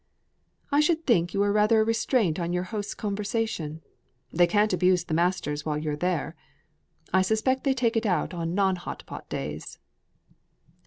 "I should think you were rather a restraint on your hosts' conversation. They can't abuse the masters while you're there. I expect they take it out on non hot pot days."